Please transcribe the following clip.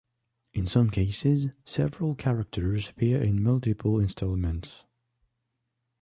In some cases, several characters appear in multiple installments.